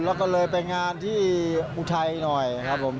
แล้วก็เลยไปงานที่อุทัยหน่อยครับผม